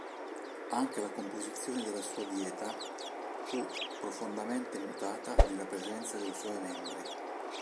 Anche la composizione della sua Dieta fu profondamente mutata nella presenza dei suoi membri.